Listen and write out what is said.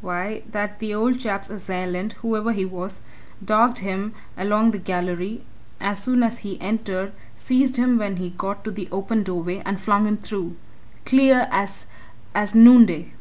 Why, that the old chap's assailant, whoever he was, dogged him along that gallery as soon as he entered, seized him when he got to the open doorway, and flung him through! Clear as as noonday!"